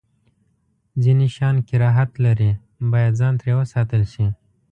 ځینې شیان کراهت لري، باید ځان ترې وساتل شی.